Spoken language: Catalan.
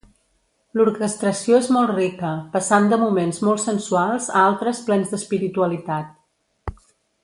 L'orquestració és molt rica, passant de moments molt sensuals a altres plens d'espiritualitat.